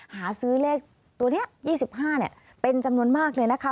หาซื้อเลขตัวนี้๒๕เป็นจำนวนมากเลยนะคะ